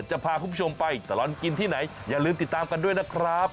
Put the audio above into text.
จะพาคุณผู้ชมไปตลอดกินที่ไหนอย่าลืมติดตามกันด้วยนะครับ